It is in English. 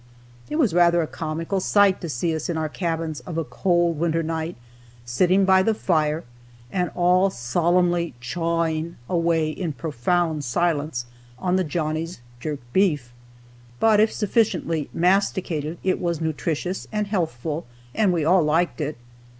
It was rather a comical sight to see us in our cabins of a cold winter night, sitting by the fire, and all solemnly "chawing" away, in profound silence, on the Johnnies' jerked beef. But, if sufficiently masticated, it was nutritious and healthful, and we all liked it.